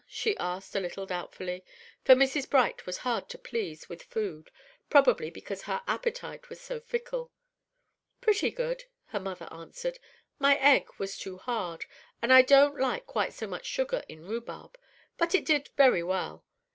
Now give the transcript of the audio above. she asked, a little doubtfully, for Mrs. Bright was hard to please with food, probably because her appetite was so fickle. "Pretty good," her mother answered; "my egg was too hard, and I don't like quite so much sugar in rhubarb, but it did very well.